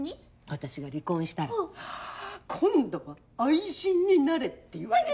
私が離婚したら今度は愛人になれって言われたのよ。